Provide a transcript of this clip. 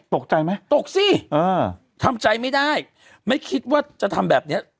ตกใจไหมตกสิเออทำใจไม่ได้ไม่คิดว่าจะทำแบบเนี้ย